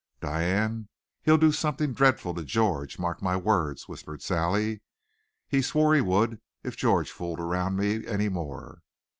"Diane, he'll do something dreadful to George, mark my words," whispered Sally. "He swore he would if George fooled around me any more."